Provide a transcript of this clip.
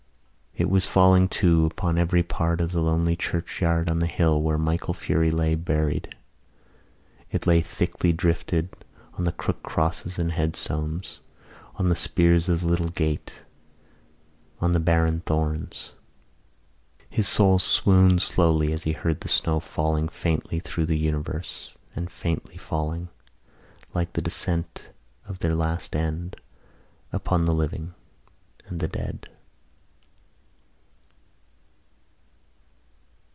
It was falling, too, upon every part of the lonely churchyard on the hill where Michael Furey lay buried. It lay thickly drifted on the crooked crosses and headstones, on the spears of the little gate, on the barren thorns. His soul swooned slowly as he heard the snow falling faintly through the universe and faintly falling, like the descent of their last end, upon all the living and the dead.